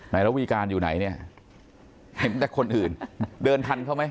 ระวีการอยู่ไหนเนี่ยเห็นแต่คนอื่นเดินทันเขาไหม